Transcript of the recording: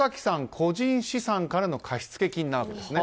個人資産からの貸付金なわけですね。